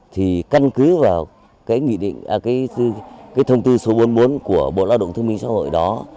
thì căn cứ vào cái thông tư số bốn mươi bốn của bộ lao động thương minh xã hội đó